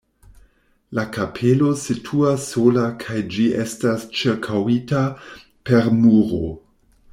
La kapelo situas sola kaj ĝi estas ĉirkaŭita per muro.